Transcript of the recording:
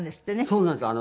そうなんですよ。